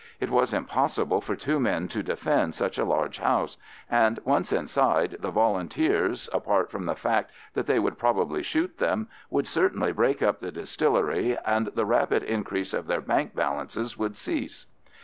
It was impossible for two men to defend such a large house, and once inside, the Volunteers, apart from the fact that they would probably shoot them, would certainly break up the distillery, and the rapid increase of their bank balances would cease.